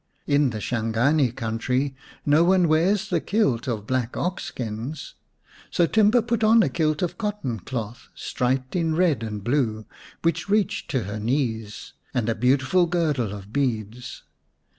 In the Shangani country no one wears the kilt of black ox skins. So Timba put on a kilt of cotton cloth, striped in red and blue, which reached to her knees, and a beautiful girdle of beads.